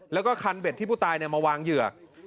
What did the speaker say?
แล้วก็คันเบ็ดที่ผู้ตายมาวางเหยื่อ